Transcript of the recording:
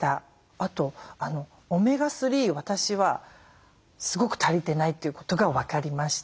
あとオメガ３を私はすごく足りてないということが分かりました。